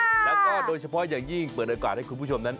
แล้วก็โดยเฉพาะอย่างยิ่งเปิดโอกาสให้คุณผู้ชมนั้น